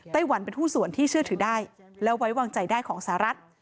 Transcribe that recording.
หวันเป็นหุ้นส่วนที่เชื่อถือได้และไว้วางใจได้ของสหรัฐ